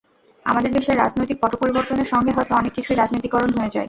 আমাদের দেশে রাজনৈতিক পটপরিবর্তনের সঙ্গে হয়তো অনেক কিছুই রাজনীতিকরণ হয়ে যায়।